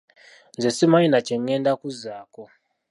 Nze simanyi na kye ղղenda kuzzaako.